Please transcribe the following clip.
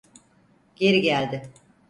Geri geldi.